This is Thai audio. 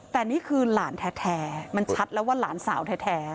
แต่นี่คือหลานแท้มันชัดแล้วว่าหลานสาวแท้